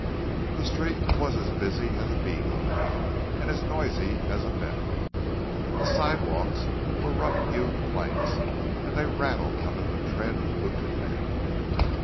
The street was as busy as a beehive and as noisy as a bedlam. The sidewalks were rough hewn planks and they rattled under the tread of booted men.